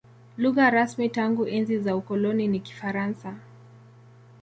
Lugha rasmi tangu enzi za ukoloni ni Kifaransa.